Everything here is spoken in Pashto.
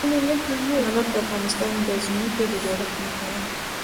نمک د افغانستان د ځمکې د جوړښت نښه ده.